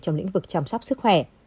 trong lĩnh vực chăm sóc sức khỏe